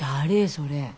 それ。